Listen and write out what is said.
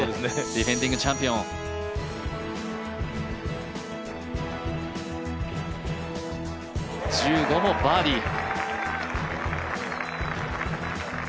ディフェンディングチャンピオン、１５もバーディー。